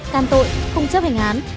tàn tội không chấp hành án